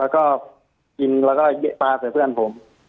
แล้วก็กินแล้วก็ปลาใส่เพื่อนผม